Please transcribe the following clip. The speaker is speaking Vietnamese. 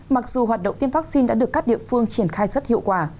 mặc dù hoạt động tiêm vaccine đã được các địa phương triển khai rất hiệu quả